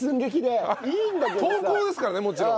投稿ですからねもちろん。